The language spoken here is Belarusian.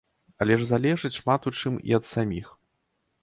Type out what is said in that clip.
Але ж залежыць шмат у чым і ад саміх.